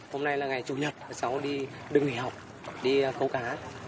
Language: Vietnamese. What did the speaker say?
hôm nay là ngày chủ nhật các cháu đi đường nghỉ học đi câu cá